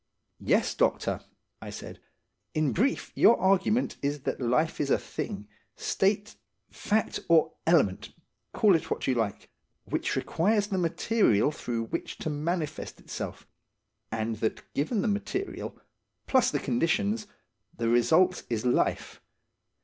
"Yes, doctor," I said. "In brief, your argument is that life is a thing, state, fact, or element, call it what you like, which requires the material through which to manifest itself, and that given the material, plus the conditions, the result is life.